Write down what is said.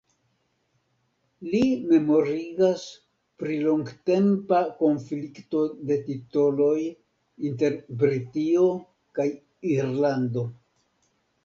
Li memorigas pri longtempa konflikto de titoloj inter Britio kaj Irlando.